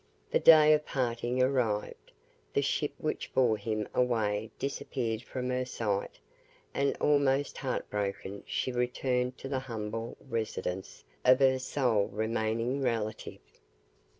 The day of parting arrived; the ship which bore him away disappeared from her sight, and almost heart broken she returned to the humble residence of her sole remaining relative.